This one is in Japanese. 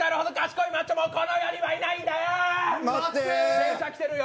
電車来てるよ。